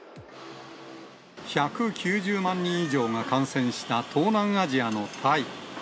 １９０万人以上が感染した東南アジアのタイ。